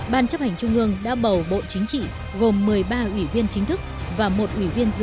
ban chấp hành trung ương đã bầu bộ chính trị gồm một mươi ba ủy viên chính thức và một ủy viên dự quyết bầu ban bí thư